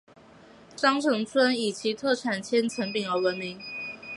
鄣城村以其特产千层饼而闻名。